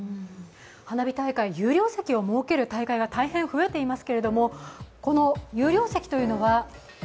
花火大会、有料席を設ける大会がかなり増えています。